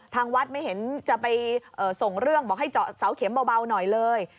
ทางวัดไม่เห็นจะไปส่งเรื่องบอกให้เจาะเสาเข็มเบาหน่อยเลย